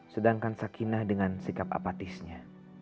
sedangkan sakinah dengan sikap apatisnya